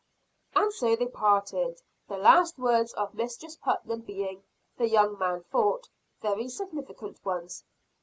And so they parted the last words of Mistress Putnam being, the young man thought, very significant ones.